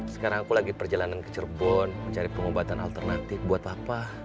sekarang aku lagi perjalanan ke cerbun cari pengobatan alternatif buat papa